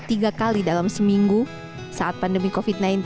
tiga kali dalam seminggu saat pandemi covid sembilan belas